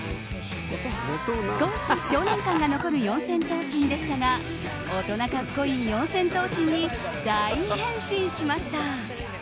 少し少年感が残る四千頭身でしたが大人格好いい四千頭身に大変身しました。